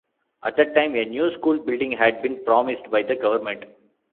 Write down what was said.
At that time, a new school building had been promised by the Government.